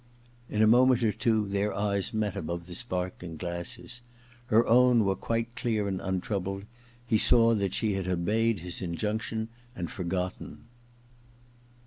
* In a moment or two their eyes met above the sparkling glasses. Her own were quite clear and imtroubled : he saw that she had obeyed his injunction and forgotten.